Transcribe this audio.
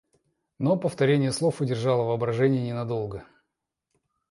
Но повторение слов удержало воображение не надолго.